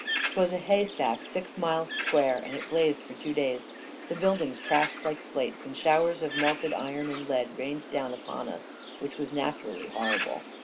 'Twas a haystack six miles square, and it blazed for two days. The buildings crashed like slates, and showers of melted iron and lead rained down upon us, which was naturally horrible.